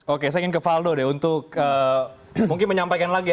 oke saya ingin ke valdo deh untuk mungkin menyampaikan lagi ya